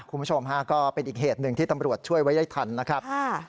คุณผู้ชมฮะก็เป็นอีกเหตุหนึ่งที่ตำรวจช่วยไว้ได้ทันนะครับ